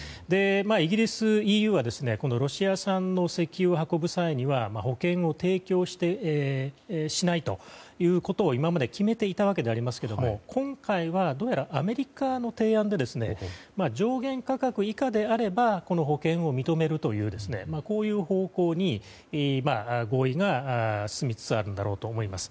イギリス、ＥＵはロシア産の石油を運ぶ際には保険を提供しないということを今まで決めていましたが今回はどうやらアメリカの提案で上限価格以下であれば保険を認めるというこういう方法に合意が進みつつあると思います。